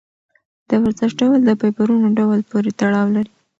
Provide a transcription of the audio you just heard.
د ورزش ډول د فایبرونو ډول پورې تړاو لري.